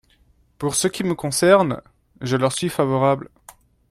Pour ce qui me concerne, je leur suis favorable.